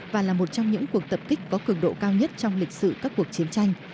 và là một trong những cuộc tập kích có cường độ cao nhất trong lịch sử các cuộc chiến tranh